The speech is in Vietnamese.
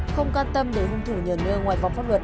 không can tâm để hung thủ nhờ ngơ ngoài vòng pháp luật